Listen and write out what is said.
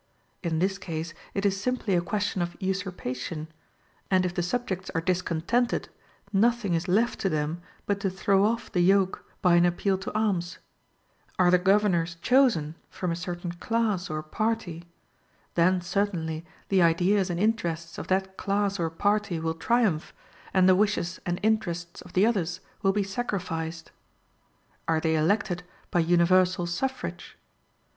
In this case it is simply a question of usurpation; and if the subjects are discontented, nothing is left to them but to throw off the yoke, by an appeal to arms. Are the governors chosen from a certain class or party? Then certainly the ideas and interests of that class or party will triumph, and the wishes and interests of the others will be sacrificed. Are they elected by universal suffrage?